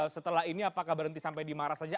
setelah ini apakah berhenti sampai dimarah saja